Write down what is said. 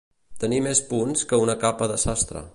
Tenir més punts que una capa de sastre.